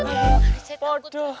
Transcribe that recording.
aduh saya takut